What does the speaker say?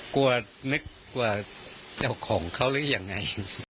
กลัวนึกว่าเจ้าของเขารึยังไง